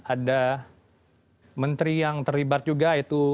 ada menteri yang terlibat juga itu